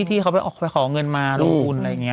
ที่เขาไปออกไปขอเงินมาลงทุนอะไรอย่างนี้